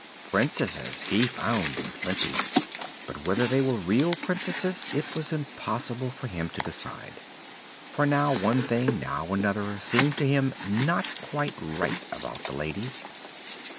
Princesses he found in plenty; but whether they were real Princesses it was impossible for him to decide, for now one thing, now another, seemed to him not quite right about the ladies.